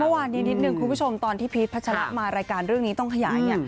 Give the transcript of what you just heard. เมื่อวานนี้นิดหนึ่งคุณผู้ชมตอนที่พีชพัชระมารายการเรื่องนี้ต้องขยาย